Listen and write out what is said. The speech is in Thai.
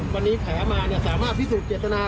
วันนี้แผลมาสามารถพิสูจน์เกลียดธนา